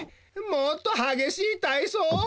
もっとはげしいたいそう？